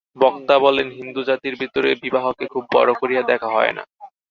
বক্তা বলেন হিন্দুজাতির ভিতরে বিবাহকে খুব বড় করিয়া দেখা হয় না।